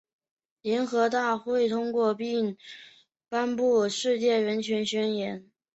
联合国大会通过并颁布《世界人权宣言》。